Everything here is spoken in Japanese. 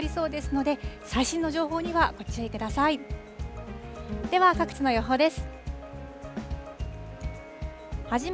では各地の予報です。